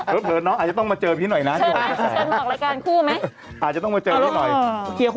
พี่ห่องเหมือนพี่ห่องมากเลย